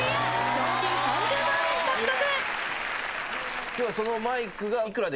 賞金３０万円獲得！